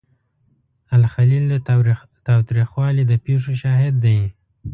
الخلیل د تاوتریخوالي د پیښو شاهد دی.